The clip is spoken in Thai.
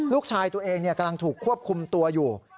ลูกชายตัวเองกำลังถูกควบคุมตัวอยู่